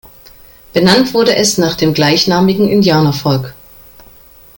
Benannt wurde es nach dem gleichnamigen Indianervolk.